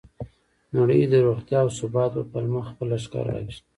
نړۍ د روغتیا او ثبات په پلمه خپل لښکر راوست.